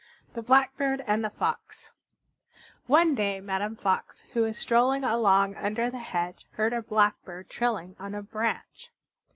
THE BLACKBIRD AND THE FOX One day Madame Fox, who was strolling along under the hedge, heard a Blackbird trilling on a branch.